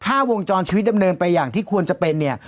ถ้าวงจรชีวิตดำเนินไปอย่างที่ควรจะเป็นเนี่ย